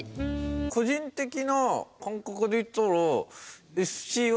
個人的な感覚でいったらＳＣＹ。